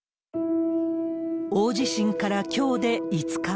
大地震から、きょうで５日。